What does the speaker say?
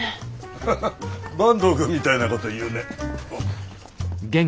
ハハッ坂東くんみたいなこと言うね。